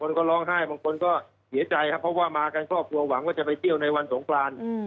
ก็ร้องไห้บางคนก็เสียใจครับเพราะว่ามากันครอบครัวหวังว่าจะไปเที่ยวในวันสงคราน